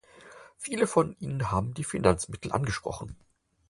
Viele von Ihnen haben die Finanzmittel angesprochen.